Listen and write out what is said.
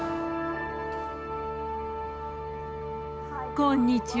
こんにちは